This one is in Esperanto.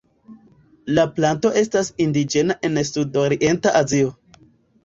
La planto estas indiĝena en sud-orienta Azio.